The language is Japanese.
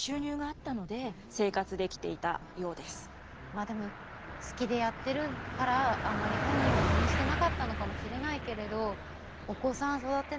まあでも好きでやってるからあんまり本人は気にしてなかったのかもしれないけれどっていうこと思わなかったんですかね。